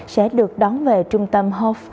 sẽ được đón về trung tâm hof